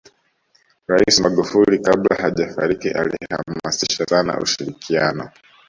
rais magufuli kabla hajafariki alihamasisha sana ushirikianao